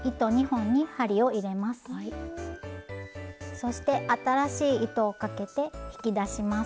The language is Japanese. そして新しい糸をかけて引き出します。